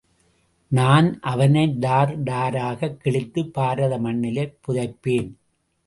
நான் அவனை டார் டாராகக் கிழித்து பாரத மண்ணிலே புதைப்பேன்.